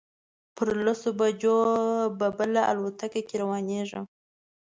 پر لسو بجو به بله الوتکه کې روانېږم.